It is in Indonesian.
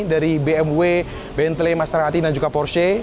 dari bmw bentley maserati dan juga porsche